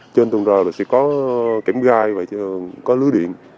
trên tường rào thì sẽ có kẻm gai và có lưới điện